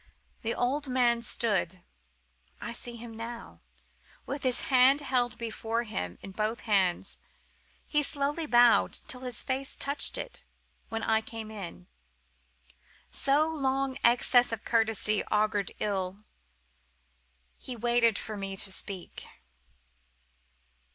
"The old man stood—I see him now—with his hat held before him in both his hands; he slowly bowed till his face touched it when I came in. Such long excess of courtesy augured ill. He waited for me to speak.